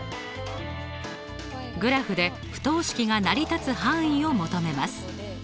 グラフで不等式が成り立つ範囲を求めます。